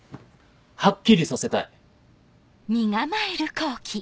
はっきりさせたい。